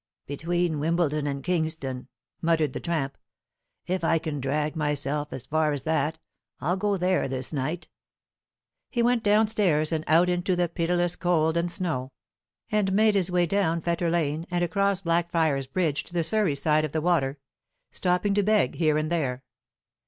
"Between Wimbledon and Kingston," muttered the tramp. "If I can drag myself as far as that, I'll go there this night." He went down stairs and out into the pitiless cold and snow, and made his way down Fetter Lane, and across Blackfriars Bridge to the Surrey side of the water, stopping to beg here and there.